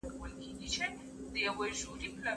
تاسو په دې پوه شئ چې په ایران کې بې اتفاقي ده.